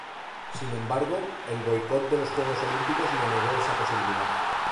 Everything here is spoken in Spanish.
Sin embargo, el boicot de los Juegos Olímpicos le negó esa posibilidad.